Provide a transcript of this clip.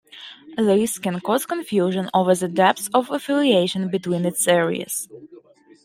This can cause confusion over the depth of affiliation between its areas.